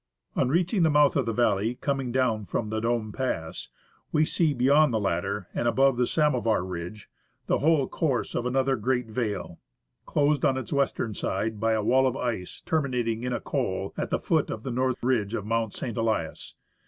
On reaching the mouth of the valley coming down from the Dome Pass, we see beyond the latter, and above the Samovar ridge, the whole course of an other great vale, closed on its western side by a wall of ice terminating in a col at the foot of the north ridge of Mount St. Elias.